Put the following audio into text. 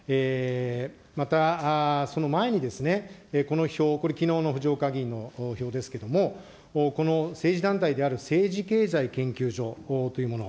また、その前にこの表、これきのうの藤岡議員の表ですけども、この政治団体である政治経済研究所というもの。